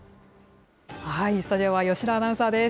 スタジオは吉田アナウンサーです。